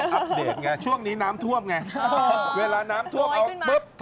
แฟชั่นร้นของเรานี่